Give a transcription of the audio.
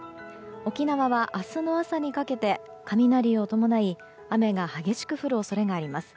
沖縄は明日の朝にかけて雷を伴い雨が激しく降る恐れがあります。